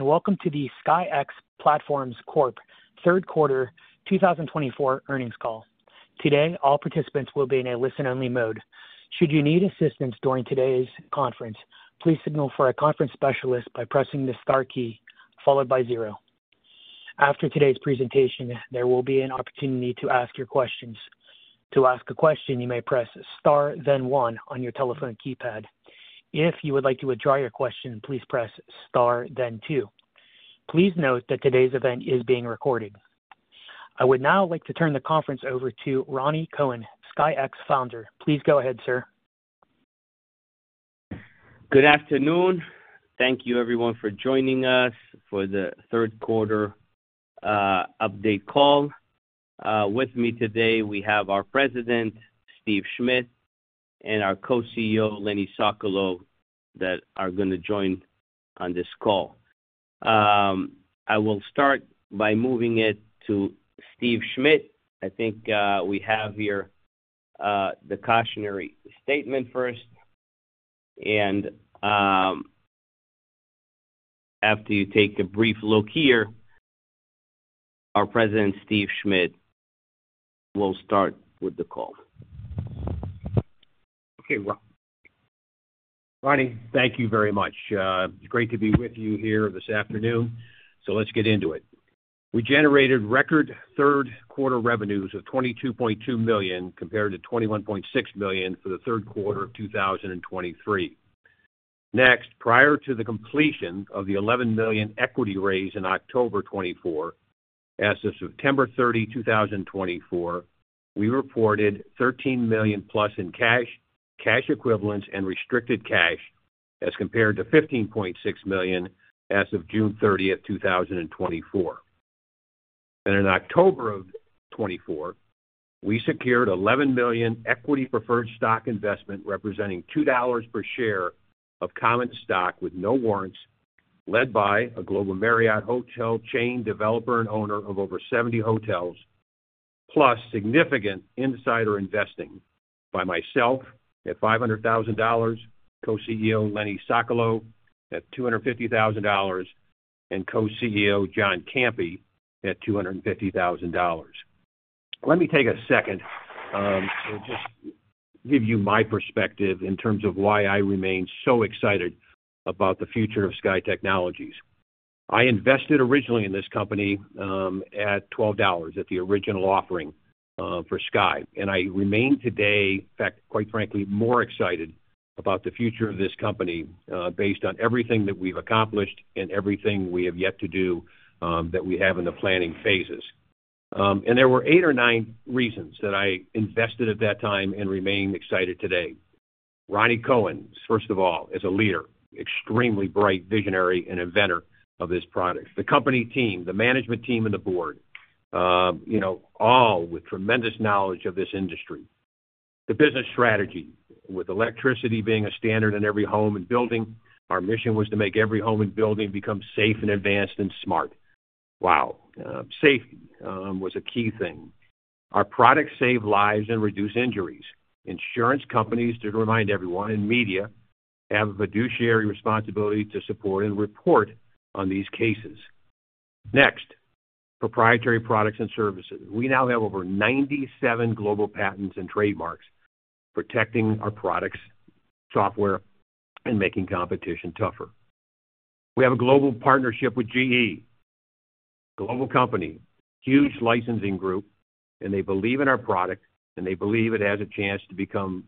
Welcome to the SKYX Platforms Corp. Third Quarter 2024 earnings call. Today, all participants will be in a listen-only mode. Should you need assistance during today's conference, please signal for a conference specialist by pressing the star key followed by zero. After today's presentation, there will be an opportunity to ask your questions. To ask a question, you may press star, then one on your telephone keypad. If you would like to withdraw your question, please press star, then two. Please note that today's event is being recorded. I would now like to turn the conference over to Rani Kohen, SKYX founder. Please go ahead, sir. Good afternoon. Thank you, everyone, for joining us for the third quarter update call. With me today, we have our President, Steve Schmidt, and our Co-CEO, Lenny Sokolow, that are going to join on this call. I will start by moving it to Steve Schmidt. I think we have here the cautionary statement first. And after you take a brief look here, our President, Steve Schmidt, will start with the call. Okay. Rani, thank you very much. It's great to be with you here this afternoon. So let's get into it. We generated record Third quarter revenues of $22.2 million compared to $21.6 million for the third quarter of 2023. Next, prior to the completion of the $11 million equity raise in October 2024, as of September 30, 2024, we reported $13 million plus in cash, cash equivalents, and restricted cash as compared to $15.6 million as of June 30, 2024. And in October of 2024, we secured $11 million equity-preferred stock investment representing $2 per share of common stock with no warrants, led by a global Marriott hotel chain developer and owner of over 70 hotels, plus significant insider investing by myself at $500,000, co-CEO Lenny Sokolow at $250,000, and co-CEO John Campi at $250,000. Let me take a second to just give you my perspective in terms of why I remain so excited about the future of SKY Technologies. I invested originally in this company at $12 at the original offering for SKY, and I remain today, in fact, quite frankly, more excited about the future of this company based on everything that we've accomplished and everything we have yet to do that we have in the planning phases. And there were eight or nine reasons that I invested at that time and remain excited today. Rani Kohen, first of all, as a leader, extremely bright, visionary, and inventor of this product. The company team, the management team, and the board, all with tremendous knowledge of this industry. The business strategy, with electricity being a standard in every home and building, our mission was to make every home and building become safe and advanced and smart, WOW. Safety was a key thing. Our products save lives and reduce injuries. Insurance companies, to remind everyone, and media have a fiduciary responsibility to support and report on these cases. Next, proprietary products and services. We now have over 97 global patents and trademarks protecting our products, software, and making competition tougher. We have a global partnership with GE, a global company, huge licensing group, and they believe in our product, and they believe it has a chance to become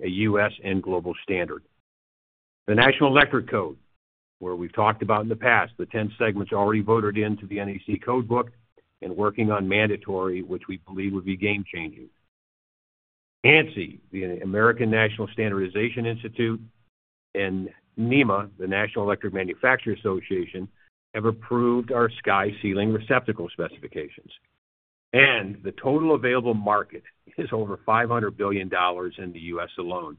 a U.S. and global standard. The National Electrical Code, where we've talked about in the past, the 10 segments already voted into the NEC codebook and working on mandatory, which we believe would be game-changing. ANSI, the American National Standards Institute, and NEMA, the National Electrical Manufacturers Association, have approved our Sky Ceiling Receptacle specifications. And the total available market is over $500 billion in the U.S. alone.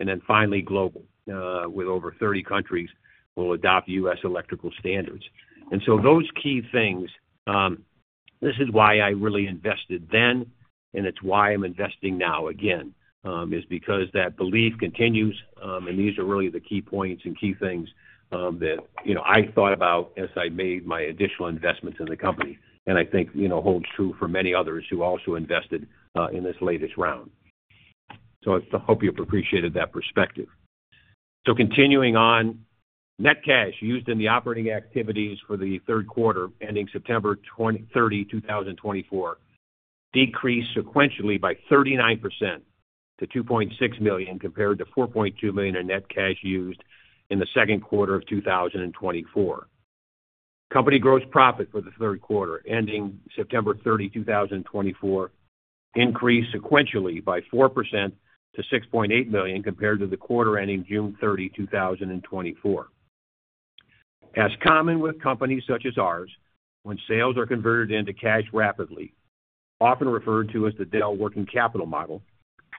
And then finally, global, with over 30 countries will adopt U.S. electrical standards. And so those key things, this is why I really invested then, and it's why I'm investing now again, is because that belief continues, and these are really the key points and key things that I thought about as I made my additional investments in the company. And I think holds true for many others who also invested in this latest round. So I hope you've appreciated that perspective. Continuing on, net cash used in the operating activities for the third quarter ending September 30, 2024, decreased sequentially by 39% to $2.6 million compared to $4.2 million in net cash used in the second quarter of 2024. Company gross profit for the third quarter ending September 30, 2024, increased sequentially by 4% to $6.8 million compared to the quarter ending June 30, 2024. As common with companies such as ours, when sales are converted into cash rapidly, often referred to as the Dell Working Capital Model,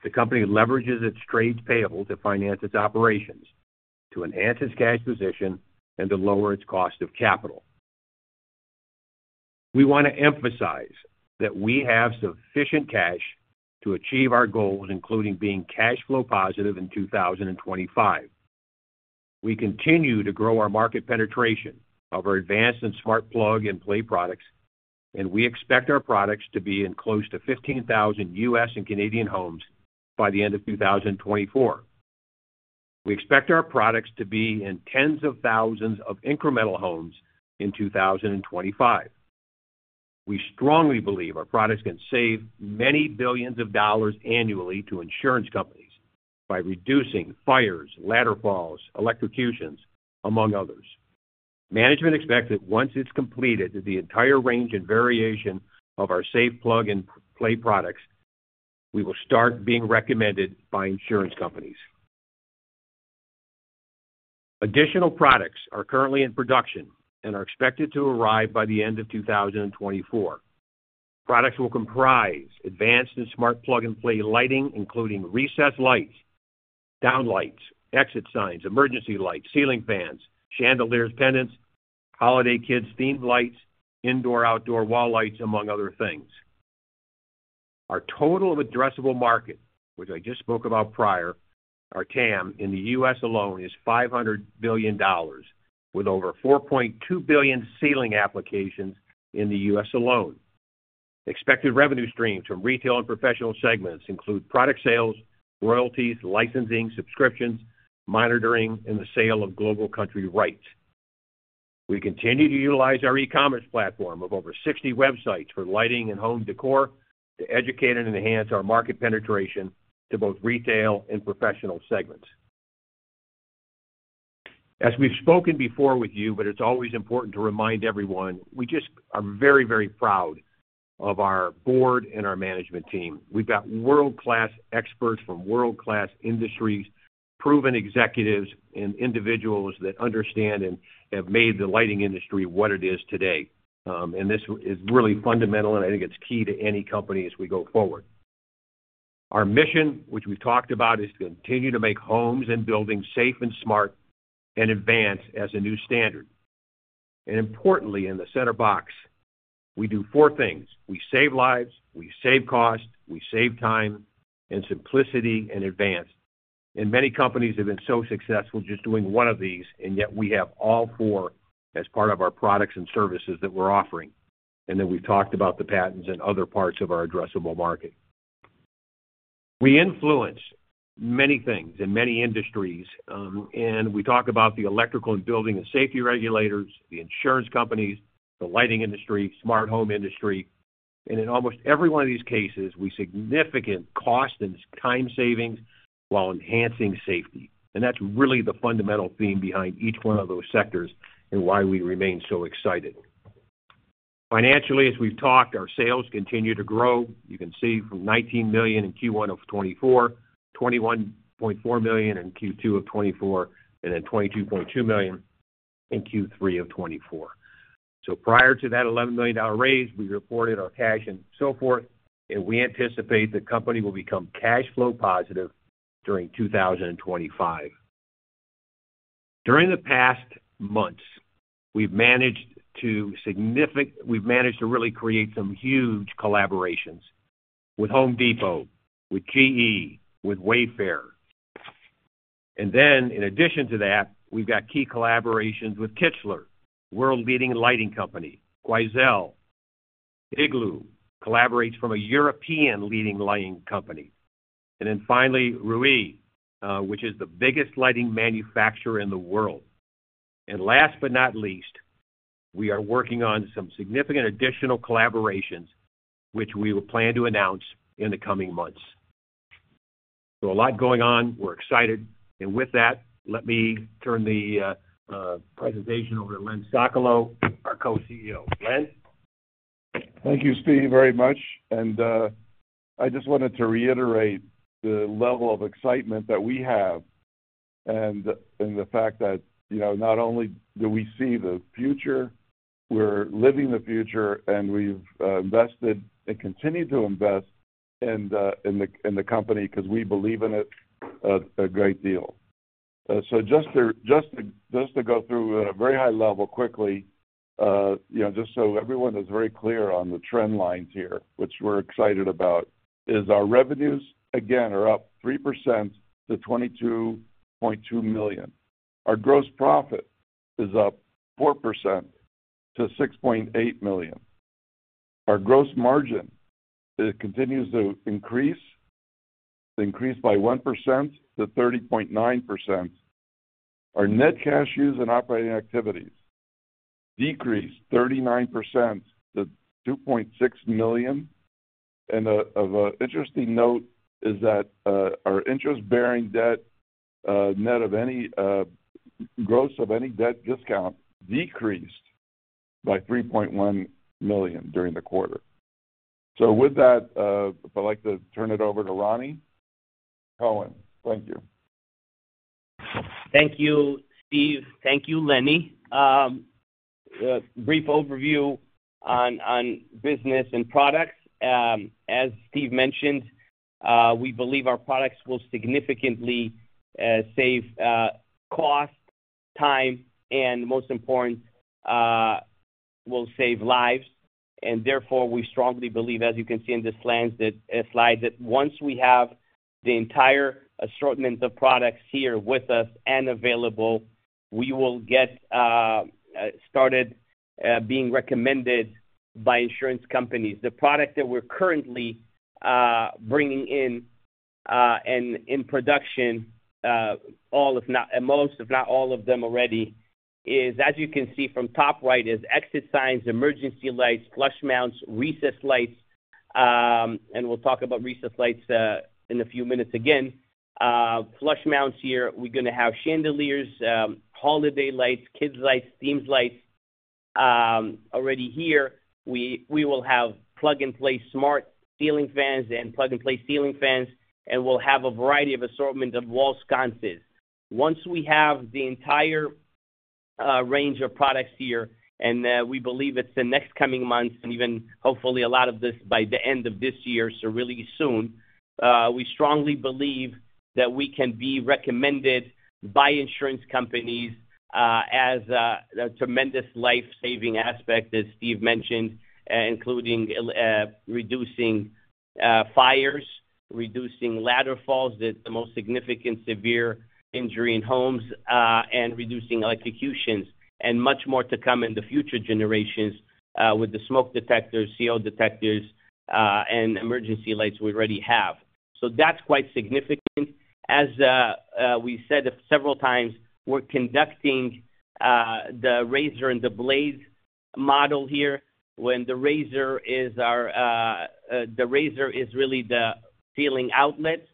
the company leverages its trade payables to finance its operations, to enhance its cash position, and to lower its cost of capital. We want to emphasize that we have sufficient cash to achieve our goals, including being cash flow positive in 2025. We continue to grow our market penetration of our advanced and smart plug and play products, and we expect our products to be in close to 15,000 U.S. and Canadian homes by the end of 2024. We expect our products to be in tens of thousands of incremental homes in 2025. We strongly believe our products can save many billions of dollars annually to insurance companies by reducing fires, ladder falls, electrocutions, among others. Management expects that once it's completed the entire range and variation of our safe plug and play products, we will start being recommended by insurance companies. Additional products are currently in production and are expected to arrive by the end of 2024. Products will comprise advanced and smart plug and play lighting, including recessed lights, downlights, exit signs, emergency lights, ceiling fans, chandeliers, pendants, holiday kids' themed lights, indoor/outdoor wall lights, among other things. Our total addressable market, which I just spoke about prior, our TAM in the U.S. alone is $500 billion, with over $4.2 billion ceiling applications in the U.S. alone. Expected revenue streams from retail and professional segments include product sales, royalties, licensing, subscriptions, monitoring, and the sale of global country rights. We continue to utilize our e-commerce platform of over 60 websites for lighting and home decor to educate and enhance our market penetration to both retail and professional segments. As we've spoken before with you, but it's always important to remind everyone, we just are very, very proud of our board and our management team. We've got world-class experts from world-class industries, proven executives, and individuals that understand and have made the lighting industry what it is today, and this is really fundamental, and I think it's key to any company as we go forward. Our mission, which we've talked about, is to continue to make homes and buildings safe and smart and advance as a new standard, and importantly, in the center box, we do four things: We save lives, we save cost, we save time, and simplicity and advance, and many companies have been so successful just doing one of these, and yet we have all four as part of our products and services that we're offering, and then we've talked about the patents and other parts of our addressable market. We influence many things in many industries, and we talk about the electrical and building and safety regulators, the insurance companies, the lighting industry, smart home industry, and in almost every one of these cases, we see significant cost and time savings while enhancing safety. And that's really the fundamental theme behind each one of those sectors and why we remain so excited. Financially, as we've talked, our sales continue to grow. You can see from $19 million in Q1 of 2024, $21.4 million in Q2 of 2024, and then $22.2 million in Q3 of 2024. So prior to that $11 million raise, we reported our cash and so forth, and we anticipate the company will become cash flow positive during 2025. During the past months, we've managed to really create some huge collaborations with Home Depot, with GE, with Wayfair. And then, in addition to that, we've got key collaborations with Kichler, world-leading lighting company. Quoizel, EGLO collaborations from a European leading lighting company. And then finally, Ruee, which is the biggest lighting manufacturer in the world. And last but not least, we are working on some significant additional collaborations, which we will plan to announce in the coming months. So a lot going on. We're excited. And with that, let me turn the presentation over to Lenny Sokolow, our Co-CEO. Lenny? Thank you, Steve, very much, and I just wanted to reiterate the level of excitement that we have and the fact that not only do we see the future, we're living the future, and we've invested and continue to invest in the company because we believe in it a great deal, so just to go through at a very high level quickly, just so everyone is very clear on the trend lines here, which we're excited about, is our revenues, again, are up 3% to $22.2 million. Our gross profit is up 4% to $6.8 million. Our gross margin continues to increase, increased by 1% to 30.9%. Our net cash use and operating activities decreased 39% to $2.6 million, and of an interesting note is that our interest-bearing debt net of any gross of any debt discount decreased by $3.1 million during the quarter. So with that, I'd like to turn it over to Rani Kohen. Thank you. Thank you, Steve. Thank you, Lenny. A brief overview on business and products. As Steve mentioned, we believe our products will significantly save cost, time, and most importantly, will save lives. And therefore, we strongly believe, as you can see in this slide, that once we have the entire assortment of products here with us and available, we will get started being recommended by insurance companies. The product that we're currently bringing in and in production, all if not most, if not all of them already, is, as you can see from top right, is exit signs, emergency lights, flush mounts, recessed lights. And we'll talk about recessed lights in a few minutes again. Flush mounts here, we're going to have chandeliers, holiday lights, kids' lights, themed lights already here. We will have plug and play smart ceiling fans and plug and play ceiling fans, and we'll have a variety of assortment of wall sconces. Once we have the entire range of products here, and we believe it's the next coming months and even hopefully a lot of this by the end of this year, so really soon, we strongly believe that we can be recommended by insurance companies as a tremendous life-saving aspect, as Steve mentioned, including reducing fires, reducing ladder falls, the most significant severe injury in homes, and reducing electrocutions. And much more to come in the future generations with the smoke detectors, CO detectors, and emergency lights we already have. So that's quite significant. As we said several times, we're conducting the razor and blade model here, when the razor is really the ceiling outlet,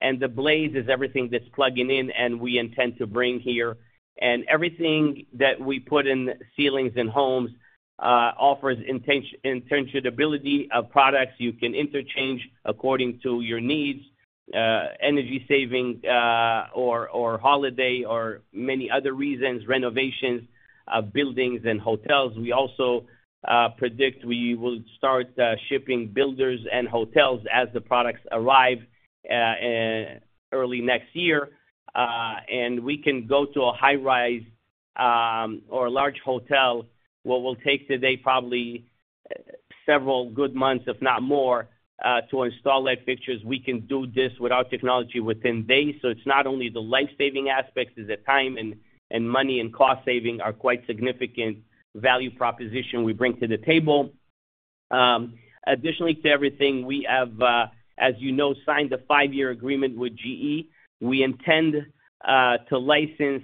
and the blade is everything that's plugging in and we intend to bring here. And everything that we put in ceilings and homes offers interchangeability of products. You can interchange according to your needs: energy saving or holiday or many other reasons, renovations of buildings and hotels. We also predict we will start shipping to builders and hotels as the products arrive early next year. And we can go to a high-rise or a large hotel. What it takes today probably several good months, if not more, to install light fixtures. We can do this with our technology within days. So it's not only the life-saving aspects, as the time and money and cost saving are quite significant value proposition we bring to the table. Additionally to everything, we have, as you know, signed a five-year agreement with GE. We intend to license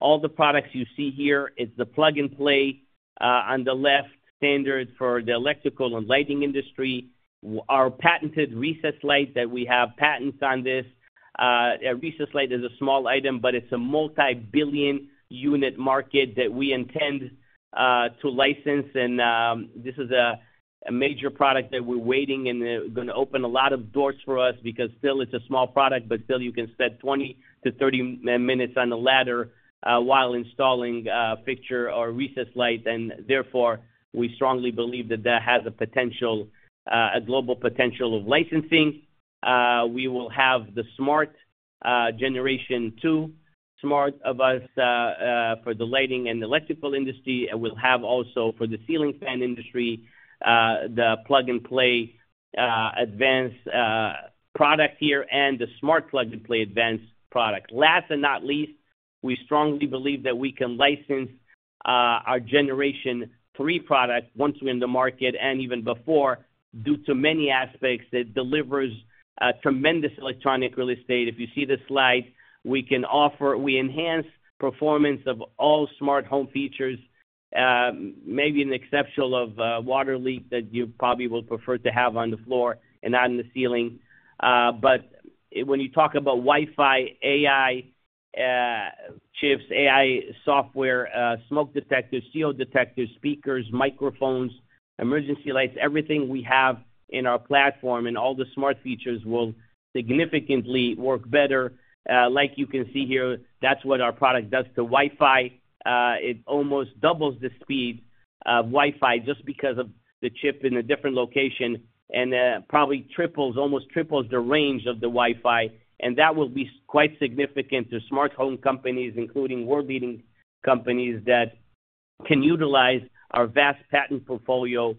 all the products you see here. It's the plug and play on the left, standard for the electrical and lighting industry. Our patented recessed lights that we have patents on this. A recessed light is a small item, but it's a multi-billion unit market that we intend to license, and this is a major product that we're waiting and going to open a lot of doors for us because still it's a small product, but still you can spend 20 minutes-30 minutes on the ladder while installing a fixture or recessed light, and therefore, we strongly believe that that has a potential, a global potential of licensing. We will have the smart Generation 2 smart products for the lighting and electrical industry. We'll also have for the ceiling fan industry the plug and play advanced product here and the smart plug and play advanced product. Last but not least, we strongly believe that we can license our Generation 3 product once we're in the market and even before due to many aspects that delivers tremendous electronic real estate. If you see the slide, we can offer. We enhance performance of all smart home features, maybe an exception for water leak that you probably will prefer to have on the floor and not in the ceiling. When you talk about Wi-Fi, AI chips, AI software, smoke detectors, CO detectors, speakers, microphones, emergency lights, everything we have in our platform and all the smart features will significantly work better. Like you can see here, that's what our product does to Wi-Fi. It almost doubles the speed of Wi-Fi just because of the chip in a different location and probably triples, almost triples the range of the Wi-Fi. And that will be quite significant to smart home companies, including world-leading companies that can utilize our vast patent portfolio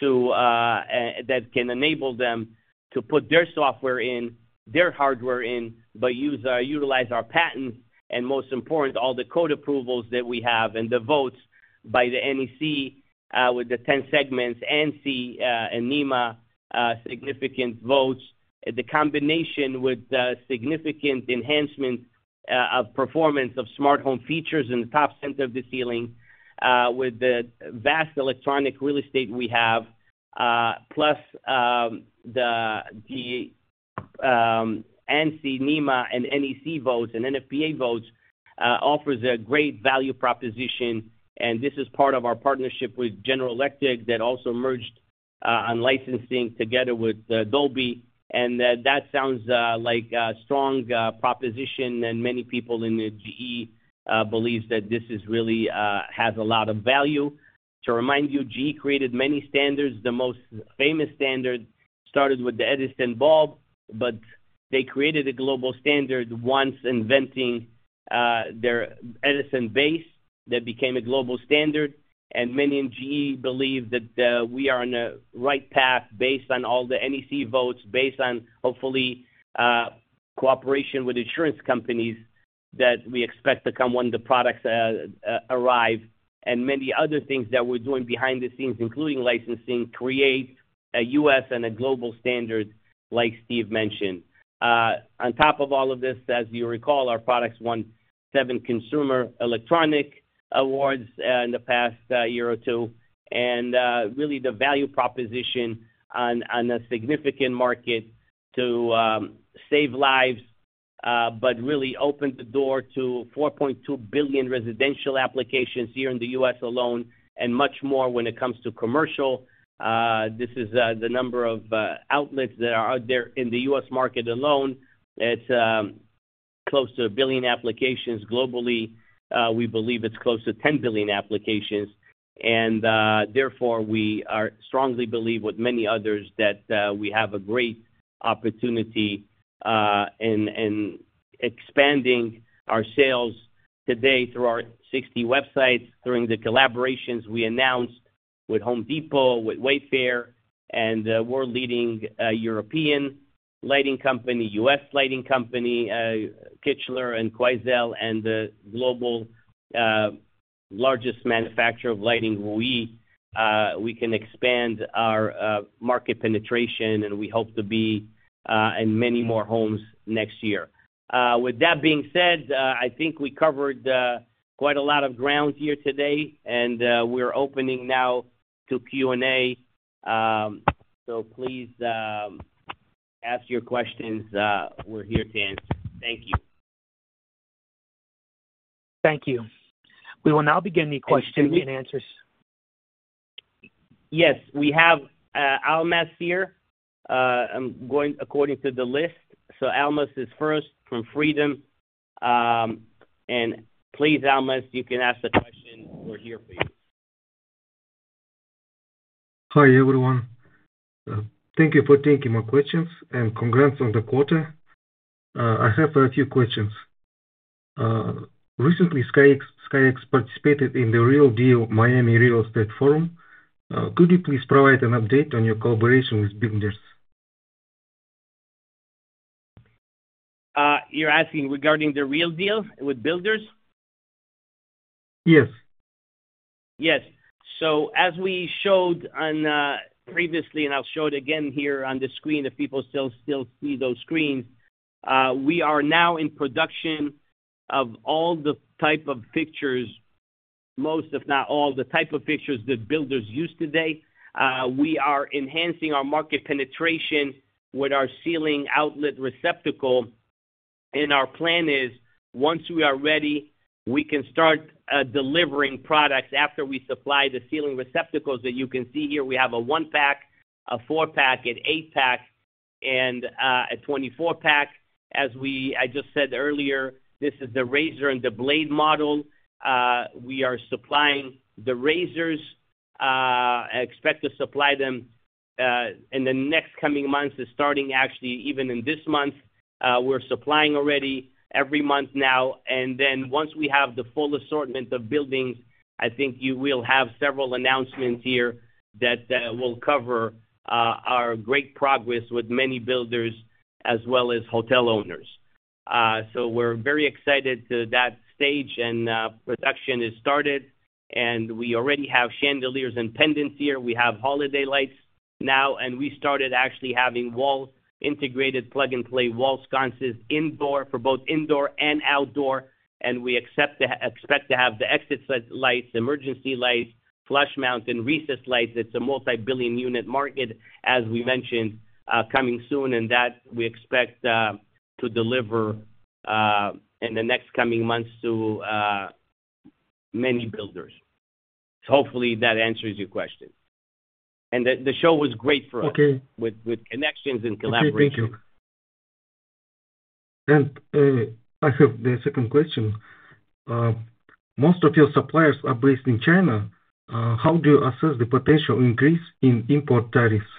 that can enable them to put their software in, their hardware in, but utilize our patents and most importantly, all the code approvals that we have and the votes by the NEC with the 10 segments and ANSI and NEMA significant votes. The combination with significant enhancement of performance of smart home features in the top center of the ceiling with the vast electronic real estate we have, plus the NEC, NEMA, and ANSI votes and NFPA votes offers a great value proposition. And this is part of our partnership with General Electric that also merged on licensing together with Dolby. That sounds like a strong proposition, and many people in GE believe that this really has a lot of value. To remind you, GE created many standards. The most famous standard started with the Edison bulb, but they created a global standard once inventing their Edison base that became a global standard. Many in GE believe that we are on the right path based on all the NEC votes, based on hopefully cooperation with insurance companies that we expect to come when the products arrive. Many other things that we're doing behind the scenes, including licensing, create a U.S. and a global standard like Steve mentioned. On top of all of this, as you recall, our products won seven consumer electronic awards in the past year or two. And really, the value proposition on a significant market to save lives, but really opened the door to 4.2 billion residential applications here in the U.S. alone and much more when it comes to commercial. This is the number of outlets that are out there in the U.S. market alone. It's close to a billion applications globally. We believe it's close to 10 billion applications. And therefore, we strongly believe with many others that we have a great opportunity in expanding our sales today through our 60 websites, during the collaborations we announced with Home Depot, with Wayfair, and world-leading European lighting company, U.S. lighting company, Kichler and Quoizel, and the global largest manufacturer of lighting, Ruee. We can expand our market penetration, and we hope to be in many more homes next year. With that being said, I think we covered quite a lot of ground here today, and we're opening now to Q&A. So please ask your questions. We're here to answer. Thank you. Thank you. We will now begin the question and answers. Yes. We have Almas here. I'm going according to the list. So Almas is first from Freedom. And please, Almas, you can ask the question. We're here for you. Hi, everyone. Thank you for taking my questions and congrats on the quarter. I have a few questions. Recently, SKYX participated in The Real Deal Miami Real Estate Forum. Could you please provide an update on your collaboration with builders? You're asking regarding the Real Deal with builders? Yes. Yes. So as we showed previously, and I'll show it again here on the screen if people still see those screens, we are now in production of all the type of fixtures, most, if not all, the type of fixtures that builders use today. We are enhancing our market penetration with our ceiling outlet receptacle, and our plan is once we are ready, we can start delivering products after we supply the ceiling receptacles that you can see here. We have a one-pack, a four-pack, an eight-pack, and a 24-pack. As I just said earlier, this is the razor and the blade model. We are supplying the razors. I expect to supply them in the next coming months, starting actually even in this month. We're supplying already every month now. And then, once we have the full assortment of buildings, I think we'll have several announcements here that will cover our great progress with many builders as well as hotel owners. So we're very excited to that stage, and production has started. And we already have chandeliers and pendants here. We have holiday lights now, and we started actually having wall integrated plug and play wall sconces indoor for both indoor and outdoor. And we expect to have the exit lights, emergency lights, flush mount, and recessed lights. It's a multi-billion unit market, as we mentioned, coming soon, and that we expect to deliver in the next coming months to many builders. So hopefully that answers your question. And the show was great for us with connections and collaboration. Thank you, and I have the second question. Most of your suppliers are based in China. How do you assess the potential increase in import tariffs?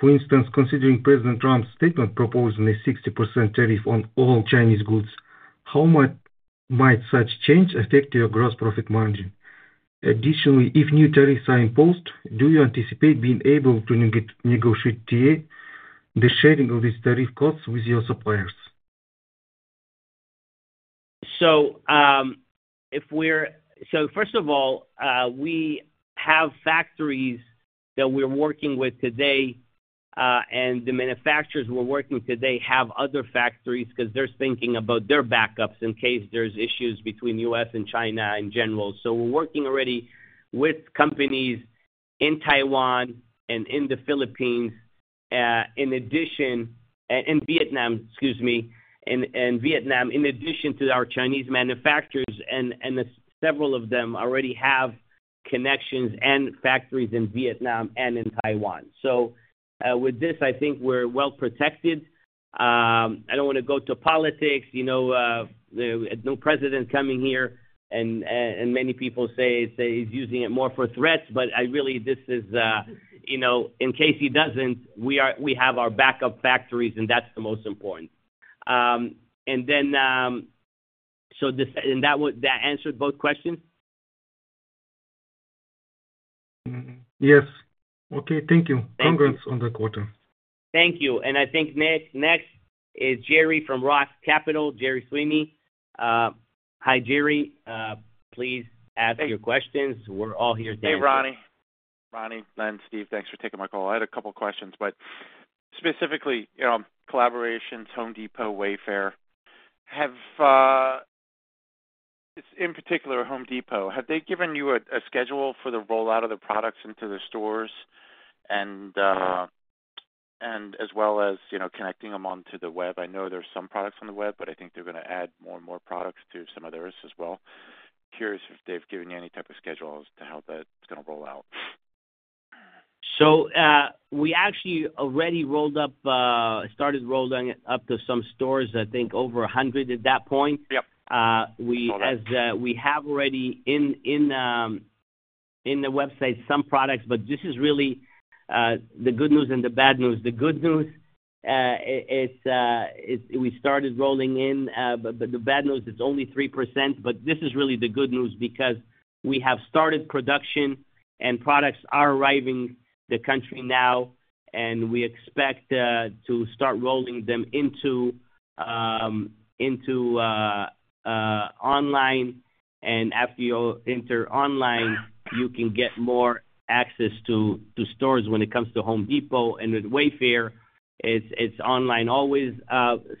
For instance, considering President Trump's statement proposing a 60% tariff on all Chinese goods, how might such change affect your gross profit margin? Additionally, if new tariffs are imposed, do you anticipate being able to negotiate the sharing of these tariff costs with your suppliers? So first of all, we have factories that we're working with today, and the manufacturers we're working with today have other factories because they're thinking about their backups in case there's issues between the U.S. and China in general. So we're working already with companies in Taiwan and in the Philippines, in addition, in Vietnam, excuse me, in Vietnam, in addition to our Chinese manufacturers. And several of them already have connections and factories in Vietnam and in Taiwan. So with this, I think we're well protected. I don't want to go to politics. No president coming here, and many people say he's using it more for threats, but really, this is in case he doesn't, we have our backup factories, and that's the most important. And then so that answered both questions? Yes. Okay. Thank you. Congrats on the quarter. Thank you, and I think next is Gerry from Roth Capital, Gerry Sweeney. Hi, Gerry. Please ask your questions. We're all here today. Hey, Rani. Rani, Lenny, Steve, thanks for taking my call. I had a couple of questions, but specifically collaborations, Home Depot, Wayfair. In particular, Home Depot, have they given you a schedule for the rollout of the products into the stores and as well as connecting them onto the web? I know there's some products on the web, but I think they're going to add more and more products to some of theirs as well. Curious if they've given you any type of schedule as to how that's going to roll out. So, we actually already rolled up, started rolling up to some stores, I think over 100 at that point. We have already in the website some products, but this is really the good news and the bad news. The good news, we started rolling in, but the bad news, it's only 3%. But this is really the good news because we have started production and products are arriving the country now, and we expect to start rolling them into online. And after you enter online, you can get more access to stores when it comes to Home Depot and Wayfair. It's online always.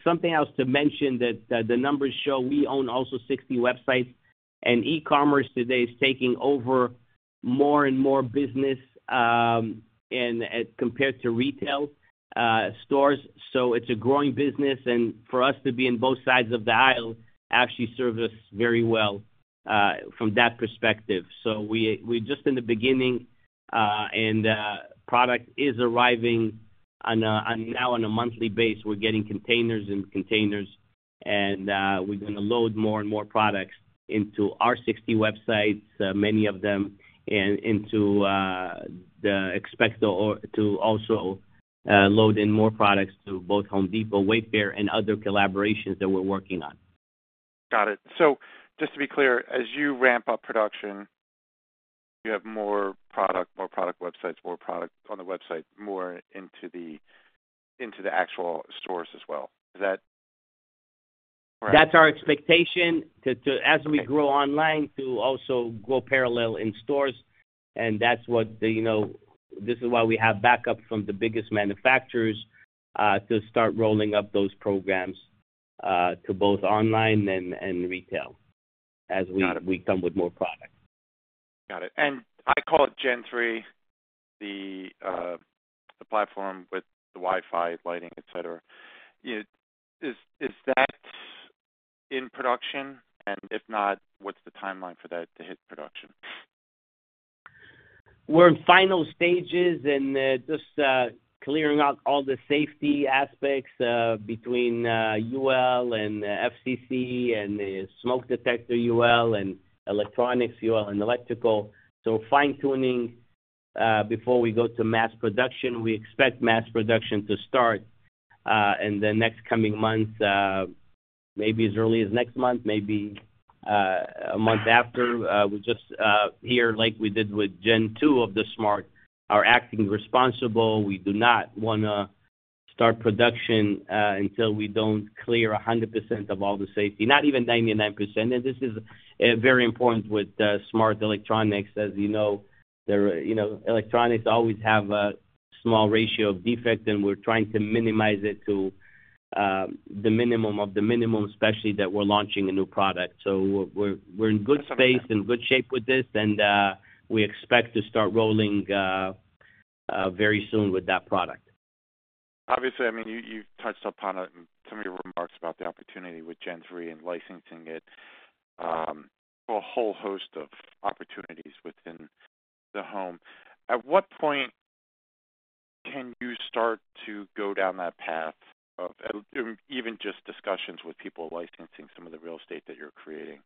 Something else to mention that the numbers show we own also 60 websites, and e-commerce today is taking over more and more business compared to retail stores. It's a growing business, and for us to be on both sides of the aisle actually serves us very well from that perspective. We're just in the beginning, and product is arriving now on a monthly basis. We're getting containers and containers, and we're going to load more and more products into our 60 websites, many of them, and we expect to also load in more products to both Home Depot, Wayfair, and other collaborations that we're working on. Got it. So just to be clear, as you ramp up production, you have more product, more product websites, more product on the website, more into the actual stores as well. Is that correct? That's our expectation as we grow online to also go parallel in stores, and that's what this is why we have backup from the biggest manufacturers to start rolling up those programs to both online and retail as we come with more product. Got it. And I call it Gen 3, the platform with the Wi-Fi, lighting, etc. Is that in production? And if not, what's the timeline for that to hit production? We're in final stages and just clearing out all the safety aspects between UL and FCC and smoke detector UL and electronics UL and electrical. So fine-tuning before we go to mass production. We expect mass production to start in the next coming months, maybe as early as next month, maybe a month after. We're just here like we did with Gen 2 of the smart. We're acting responsible. We do not want to start production until we don't clear 100% of all the safety, not even 99%. And this is very important with smart electronics. As you know, electronics always have a small ratio of defects, and we're trying to minimize it to the minimum of the minimum, especially that we're launching a new product. So we're in good space and good shape with this, and we expect to start rolling very soon with that product. Obviously, I mean, you've touched upon it in some of your remarks about the opportunity with Gen 3 and licensing it for a whole host of opportunities within the home. At what point can you start to go down that path of even just discussions with people licensing some of the real estate that you're creating?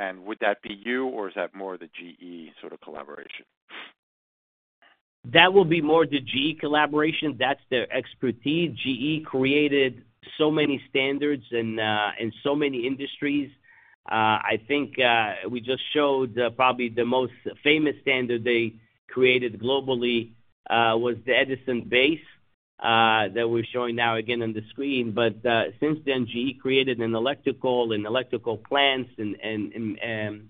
And would that be you, or is that more the GE sort of collaboration? That will be more the GE collaboration. That's their expertise. GE created so many standards in so many industries. I think we just showed probably the most famous standard they created globally was the Edison base that we're showing now again on the screen. But since then, GE created standards in electrical plants in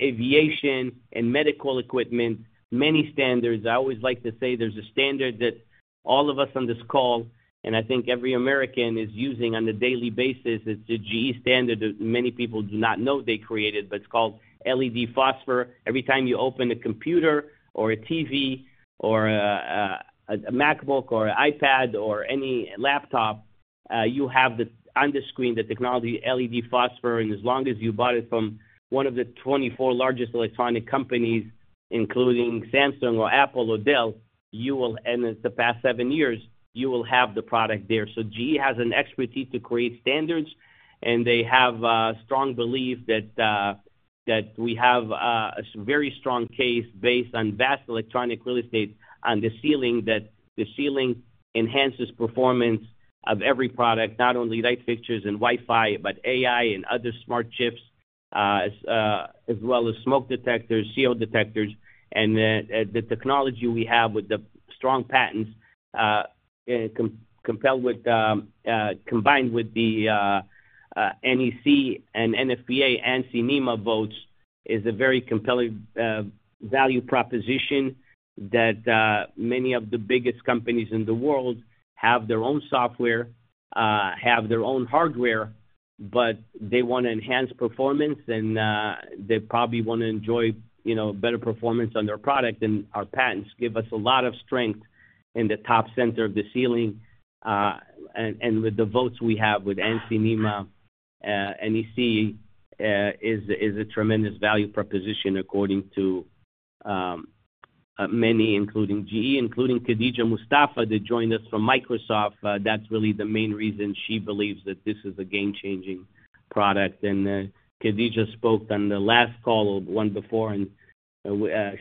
aviation and medical equipment, many standards. I always like to say there's a standard that all of us on this call, and I think every American is using on a daily basis. It's a GE standard that many people do not know they created, but it's called LED phosphor. Every time you open a computer or a TV or a MacBook or an iPad or any laptop, you have on the screen the technology LED phosphor. As long as you bought it from one of the 24 largest electronic companies, including Samsung or Apple or Dell, and it's the past seven years, you will have the product there. GE has an expertise to create standards, and they have a strong belief that we have a very strong case based on vast electronic real estate on the ceiling that the ceiling enhances performance of every product, not only light fixtures and Wi-Fi, but AI and other smart chips, as well as smoke detectors, CO detectors. The technology we have with the strong patents combined with the NEC and NFPA and NEMA votes is a very compelling value proposition that many of the biggest companies in the world have their own software, have their own hardware, but they want to enhance performance, and they probably want to enjoy better performance on their product. Our patents give us a lot of strength in the top center of the ceiling. With what we have with NEMA, NEC is a tremendous value proposition according to many, including GE, including Khadija Mustafa that joined us from Microsoft. That's really the main reason she believes that this is a game-changing product. Khadija spoke on the last call, one before, and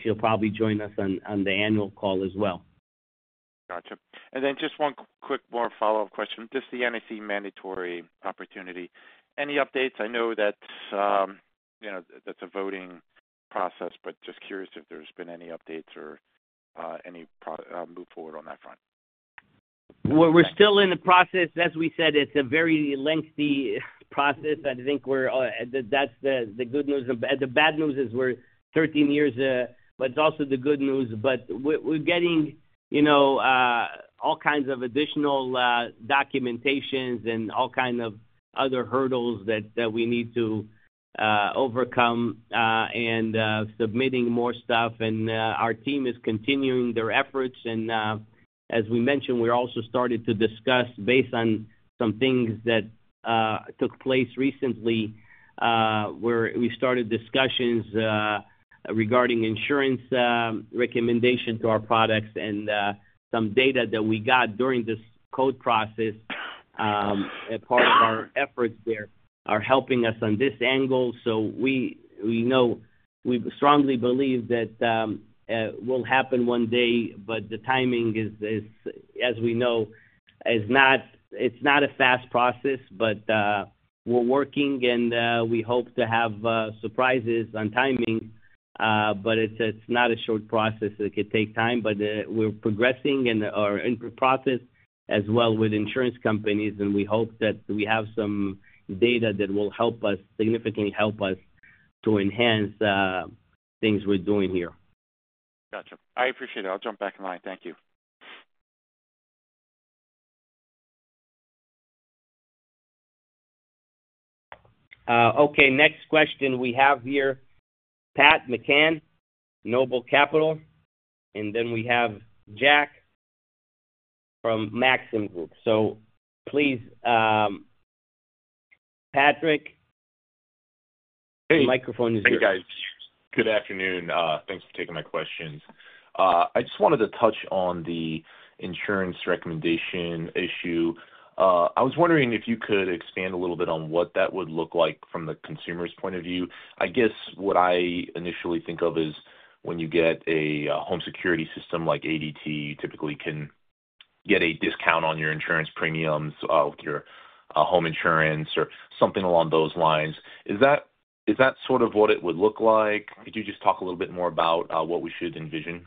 she'll probably join us on the annual call as well. Gotcha. And then just one quick more follow-up question. Just the NEC mandatory opportunity. Any updates? I know that's a voting process, but just curious if there's been any updates or any move forward on that front. We're still in the process. As we said, it's a very lengthy process. I think that's the good news. The bad news is we're 13 years, but it's also the good news. But we're getting all kinds of additional documentations and all kinds of other hurdles that we need to overcome and submitting more stuff. And our team is continuing their efforts. And as we mentioned, we also started to discuss based on some things that took place recently where we started discussions regarding insurance recommendations to our products and some data that we got during this code process. Part of our efforts there are helping us on this angle. So we strongly believe that it will happen one day, but the timing, as we know, it's not a fast process, but we're working, and we hope to have surprises on timing. But it's not a short process. It could take time, but we're progressing and are in the process as well with insurance companies, and we hope that we have some data that will help us significantly to enhance things we're doing here. Gotcha. I appreciate it. I'll jump back in line. Thank you. Okay. Next question we have here, Pat McCann, NOBLE Capital. And then we have Jack from Maxim Group. So please, Patrick, the microphone is yours. Hey, guys. Good afternoon. Thanks for taking my questions. I just wanted to touch on the insurance recommendation issue. I was wondering if you could expand a little bit on what that would look like from the consumer's point of view. I guess what I initially think of is when you get a home security system like ADT, you typically can get a discount on your insurance premiums with your home insurance or something along those lines. Is that sort of what it would look like? Could you just talk a little bit more about what we should envision?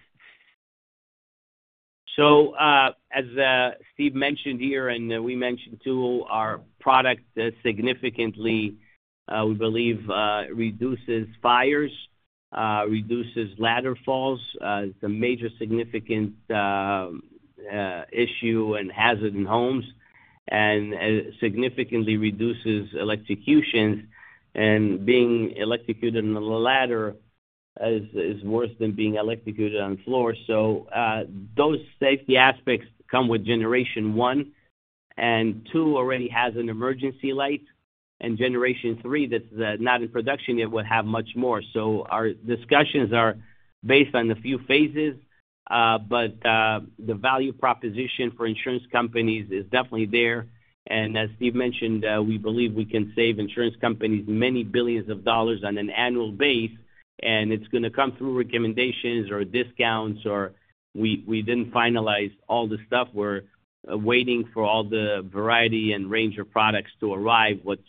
As Steve mentioned here, and we mentioned too, our product significantly, we believe, reduces fires, reduces ladder falls. It's a major significant issue and hazard in homes and significantly reduces electrocutions. Being electrocuted on a ladder is worse than being electrocuted on floors. Those safety aspects come with generation 1. Two already has an emergency light. Generation 3 that's not in production yet would have much more. Our discussions are based on a few phases, but the value proposition for insurance companies is definitely there. As Steve mentioned, we believe we can save insurance companies many billions of dollars on an annual basis. It's going to come through recommendations or discounts, or we didn't finalize all the stuff. We're waiting for all the variety and range of products to arrive. What's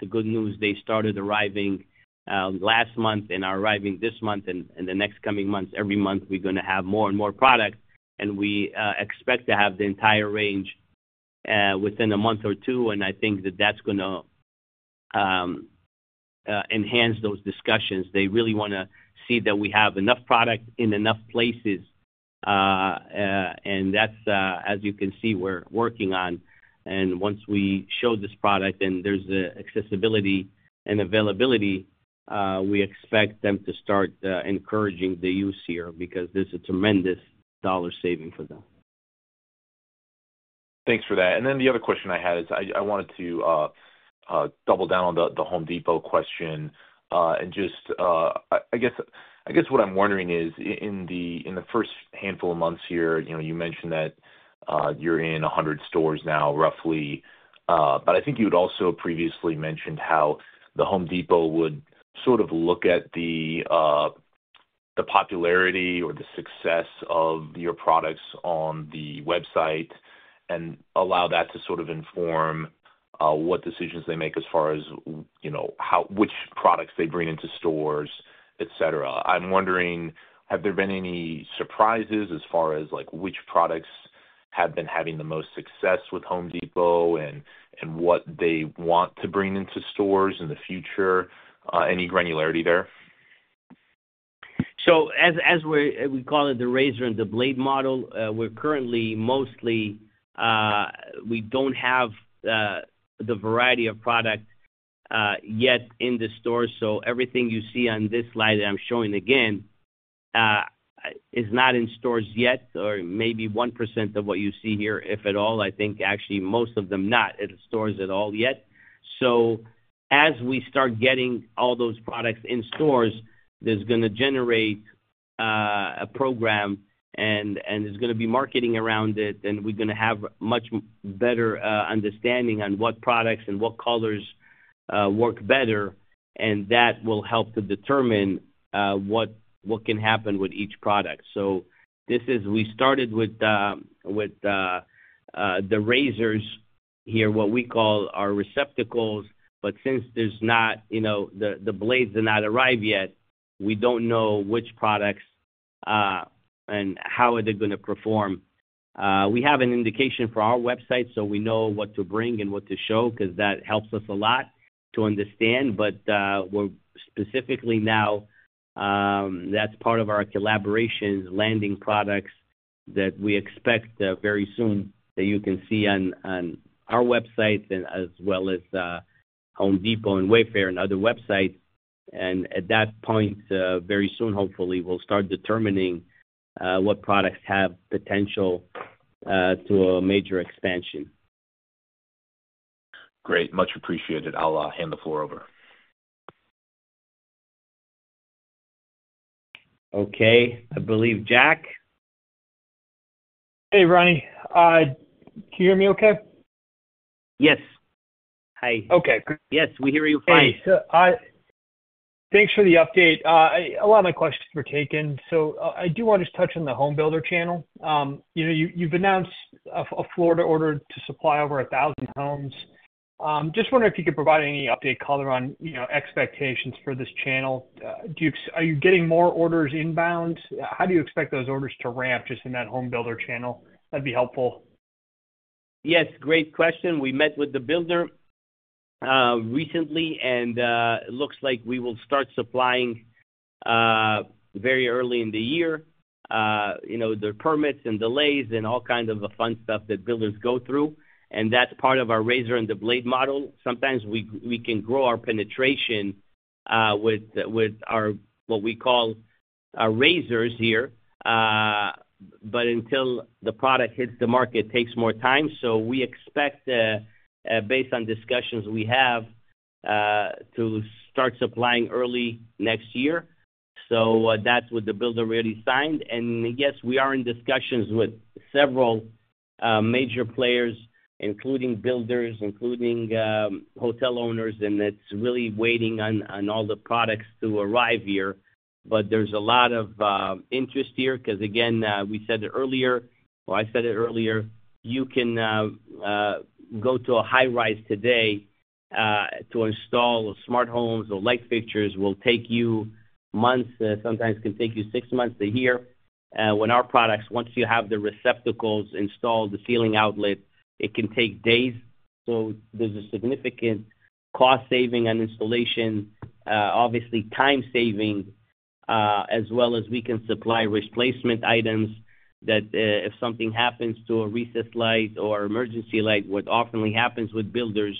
the good news? They started arriving last month and are arriving this month and the next coming months. Every month, we're going to have more and more products, and we expect to have the entire range within a month or two. And I think that that's going to enhance those discussions. They really want to see that we have enough product in enough places. And that's, as you can see, we're working on. And once we show this product and there's accessibility and availability, we expect them to start encouraging the use here because there's a tremendous dollar saving for them. Thanks for that, and then the other question I had is I wanted to double down on the Home Depot question, and just I guess what I'm wondering is in the first handful of months here, you mentioned that you're in 100 stores now roughly, but I think you had also previously mentioned how the Home Depot would sort of look at the popularity or the success of your products on the website and allow that to sort of inform what decisions they make as far as which products they bring into stores, etc. I'm wondering, have there been any surprises as far as which products have been having the most success with Home Depot and what they want to bring into stores in the future? Any granularity there? So as we call it, the razor and the blade model, we're currently mostly we don't have the variety of product yet in the stores. So everything you see on this slide that I'm showing again is not in stores yet, or maybe 1% of what you see here, if at all. I think actually most of them not in stores at all yet. So as we start getting all those products in stores, there's going to generate a program, and there's going to be marketing around it, and we're going to have much better understanding on what products and what colors work better. And that will help to determine what can happen with each product. So we started with the razors here, what we call our receptacles, but since the blades have not arrived yet, we don't know which products and how are they going to perform. We have an indication for our website, so we know what to bring and what to show because that helps us a lot to understand. But specifically now, that's part of our collaboration landing products that we expect very soon that you can see on our website as well as Home Depot and Wayfair and other websites, and at that point, very soon, hopefully, we'll start determining what products have potential to a major expansion. Great. Much appreciated. I'll hand the floor over. Okay. I believe Jack. Hey, Rani. Can you hear me okay? Yes. Hi. Okay. Yes, we hear you fine. Thanks for the update. A lot of my questions were taken. So I do want to just touch on the home builder channel. You've announced a Florida order to supply over 1,000 homes. Just wondering if you could provide any update color on expectations for this channel. Are you getting more orders inbound? How do you expect those orders to ramp just in that home builder channel? That'd be helpful. Yes. Great question. We met with the builder recently, and it looks like we will start supplying very early in the year. The permits and delays and all kinds of the fun stuff that builders go through. And that's part of our razor-and-blade model. Sometimes we can grow our penetration with what we call our razors here, but until the product hits the market, it takes more time. So we expect, based on discussions we have, to start supplying early next year. So that's what the builder really signed. And yes, we are in discussions with several major players, including builders, including hotel owners, and it's really waiting on all the products to arrive here. But there's a lot of interest here because, again, we said it earlier, or I said it earlier, you can go to a high rise today to install smart homes or light fixtures. It will take you months. Sometimes it can take you six months to here. When our products, once you have the receptacles installed, the ceiling outlet, it can take days. So there's a significant cost saving on installation, obviously time saving, as well as we can supply replacement items that if something happens to a recessed light or emergency light, what often happens with builders,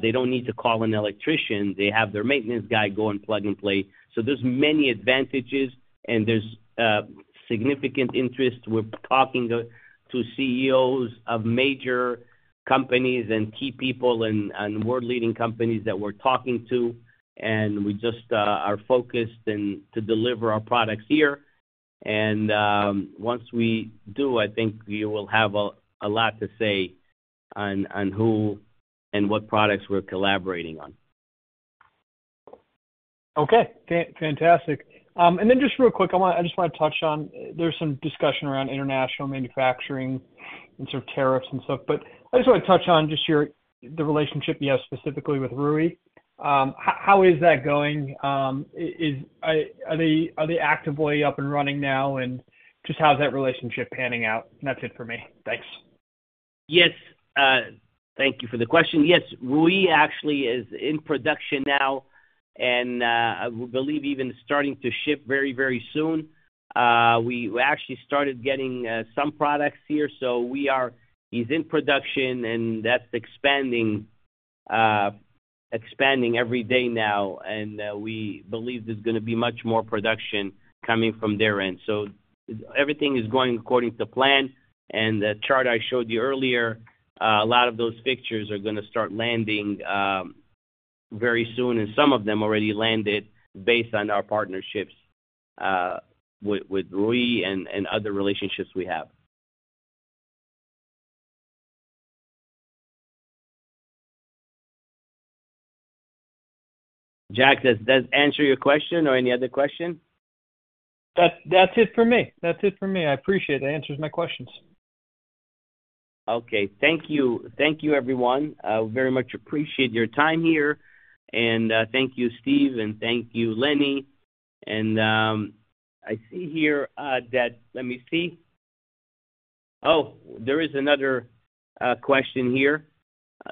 they don't need to call an electrician. They have their maintenance guy go and plug and play. So there's many advantages, and there's significant interest. We're talking to CEOs of major companies and key people and world-leading companies that we're talking to. And we just are focused to deliver our products here. Once we do, I think you will have a lot to say on who and what products we're collaborating on. Okay. Fantastic. And then just real quick, I just want to touch on there's some discussion around international manufacturing and sort of tariffs and stuff, but I just want to touch on just the relationship you have specifically with Ruee. How is that going? Are they actively up and running now? And just how's that relationship panning out? And that's it for me. Thanks. Yes. Thank you for the question. Yes. Ruee actually is in production now and I believe even starting to ship very, very soon. We actually started getting some products here. So he's in production, and that's expanding every day now. And we believe there's going to be much more production coming from their end. So everything is going according to plan. And the chart I showed you earlier, a lot of those fixtures are going to start landing very soon, and some of them already landed based on our partnerships with Ruee and other relationships we have. Jack, does that answer your question or any other question? That's it for me. I appreciate it. That answers my questions. Okay. Thank you. Thank you, everyone. I very much appreciate your time here. And thank you, Steve, and thank you, Lenny. And I see here that let me see. Oh, there is another question here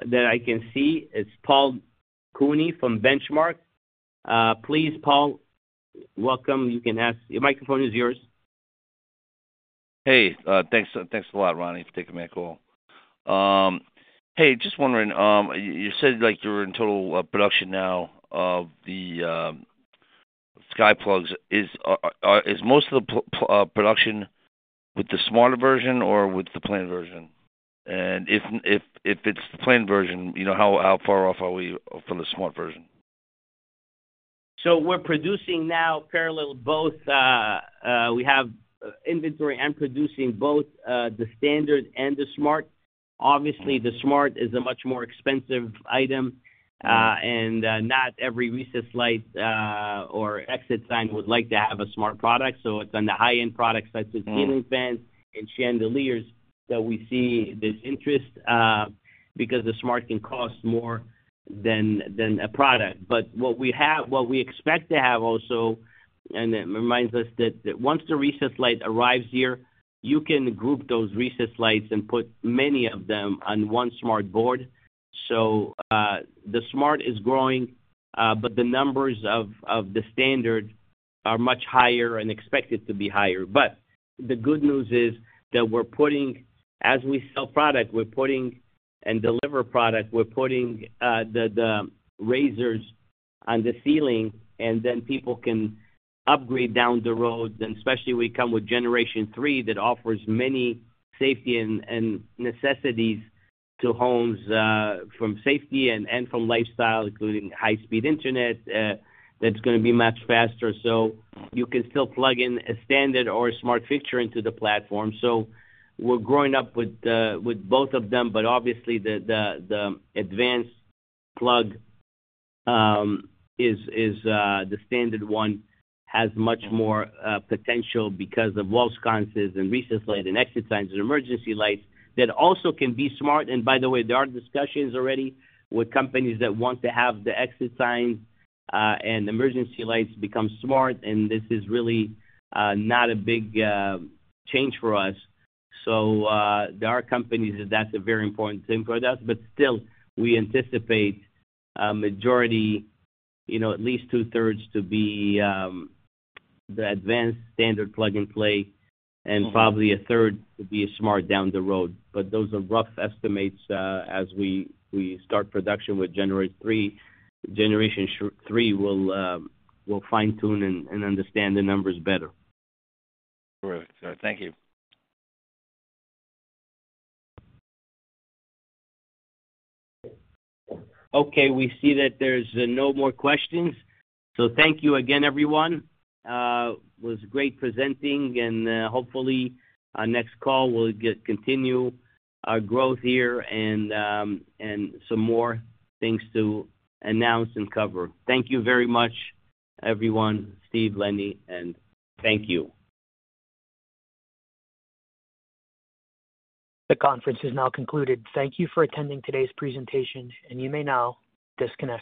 that I can see. It's Paul Cooney from Benchmark. Please, Paul, welcome. You can ask. Your microphone is yours. Hey. Thanks a lot, Rani, for taking my call. Hey, just wondering, you said you're in total production now of the Sky Plugs. Is most of the production with the smart version or with the plain version? And if it's the plain version, how far off are we from the smart version? We're producing now parallel both. We have inventory and producing both the standard and the smart. Obviously, the smart is a much more expensive item, and not every recessed light or exit sign would like to have a smart product. It's on the high-end products such as ceiling fans and chandeliers that we see this interest because the smart can cost more than a product. What we expect to have also reminds us that once the recessed light arrives here, you can group those recessed lights and put many of them on one smart board. The smart is growing, but the numbers of the standard are much higher and expected to be higher. The good news is that we're putting, as we sell product, and deliver product. We're putting the razors on the ceiling, and then people can upgrade down the road. And especially we come with Generation 3 that offers many safety and necessities to homes from safety and from lifestyle, including high-speed internet that's going to be much faster. So you can still plug in a standard or a smart fixture into the platform. So we're growing up with both of them, but obviously the advanced plug is the standard one has much more potential because of wall sconces and recessed lights and exit signs and emergency lights that also can be smart. And by the way, there are discussions already with companies that want to have the exit signs and emergency lights become smart. And this is really not a big change for us. So there are companies. That's a very important thing for us. But still, we anticipate a majority, at least two-thirds, to be the advanced standard plug and play and probably a third to be smart down the road. But those are rough estimates as we start production with Generation 3. Generation 3 will fine-tune and understand the numbers better. Great. Thank you. Okay. We see that there's no more questions. So thank you again, everyone. It was great presenting, and hopefully our next call will continue our growth here and some more things to announce and cover. Thank you very much, everyone, Steve, Lenny, and thank you. The conference is now concluded. Thank you for attending today's presentation, and you may now disconnect.